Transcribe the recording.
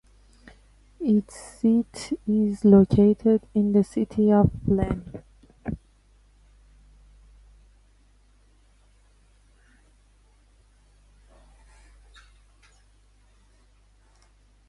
Its seat is located in the city of Flen.